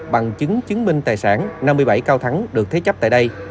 bằng chứng chứng minh tài sản năm mươi bảy cao thắng được thế chấp tại đây